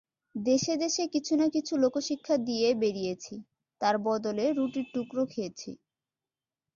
দেশে দেশে কিছু না কিছু লোকশিক্ষা দিয়ে বেড়িয়েছি, তার বদলে রুটির টুকরো খেয়েছি।